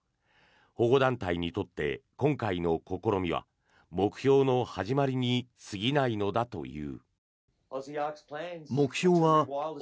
保護団体にとって今回の試みは目標の始まりに過ぎないのだという。